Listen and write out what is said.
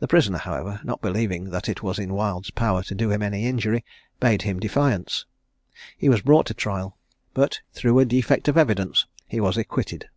The prisoner, however, not believing that it was in Wild's power to do him any injury, bade him defiance. He was brought to trial; but through a defect of evidence he was acquitted.